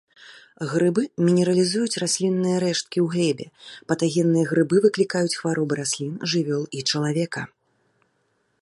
Грыбы мінералізуюць раслінныя рэшткі ў глебе, патагенныя грыбы выклікаюць хваробы раслін, жывёл і чалавека.